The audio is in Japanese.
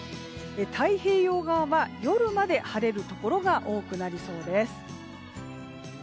太平洋側は夜まで晴れるところが多くなりそうです。